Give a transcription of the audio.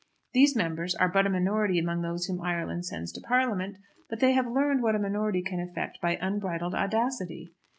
These members are but a minority among those whom Ireland sends to Parliament; but they have learned what a minority can effect by unbridled audacity.